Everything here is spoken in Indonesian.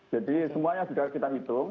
jadi semuanya sudah kita hitung